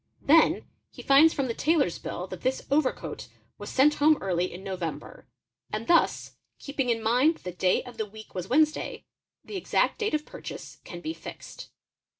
Then a he finds from the tailor's bill that this overcoat was sent home early in '. November, and thus, keeping in mind that the day of the week was Wednesday, the exact date of purchase can be fixed.